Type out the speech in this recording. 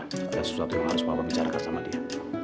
ada sesuatu yang harus bapak bicarakan sama dia